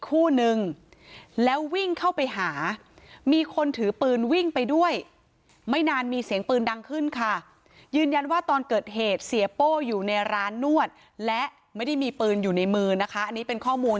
คู่นึงแล้ววิ่งเข้าไปหามีคนถือปืนวิ่งไปด้วยไม่นานมีเสียงปืนดังขึ้นค่ะยืนยันว่าตอนเกิดเหตุเสียโป้อยู่ในร้านนวดและไม่ได้มีปืนอยู่ในมือนะคะอันนี้เป็นข้อมูล